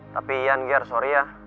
tapi yan ger sorry ya